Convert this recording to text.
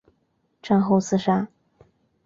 战后自杀。